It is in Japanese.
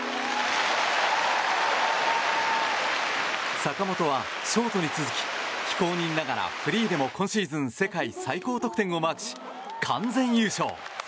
坂本はショートに続き非公認ながらフリーでも今シーズン世界最高得点をマークし完全優勝。